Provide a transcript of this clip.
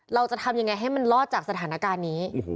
เราจะทำยังไงให้มันรอดจากสถานการณ์นี้